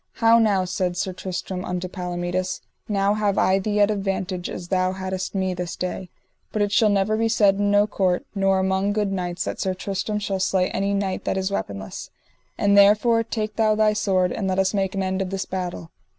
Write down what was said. How now, said Sir Tristram unto Palomides, now have I thee at advantage as thou haddest me this day; but it shall never be said in no court, nor among good knights, that Sir Tristram shall slay any knight that is weaponless; and therefore take thou thy sword, and let us make an end of this battle.